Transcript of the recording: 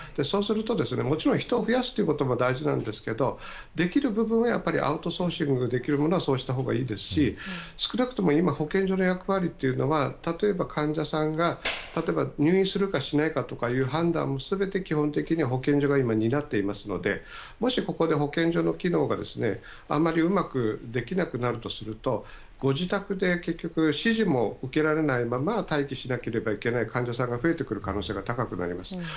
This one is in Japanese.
そうすると、もちろん人を増やすことも大事なんですけどできる部分でアウトソーシングできるならそうしたほうがいいですし少なくとも今、保健所の役割というのは、患者さんが例えば入院するかしないかという判断を、全て保健所が今、担っていますのでもしここで保健所の機能があまりうまくできなくなるとするとご自宅で指示も受けられないまま待機しなければならない患者さんが増えてくる可能性が高くなります。